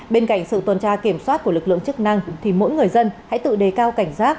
bên cạnh sự tuần tra kiểm soát của lực lượng chức năng thì mỗi người dân hãy tự đề cao cảnh giác